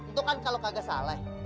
itu kan kalau kagak salah